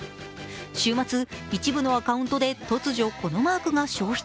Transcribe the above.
週末、一部のアカウントで突如このマークが消失。